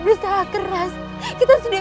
bersalah keras kita sudah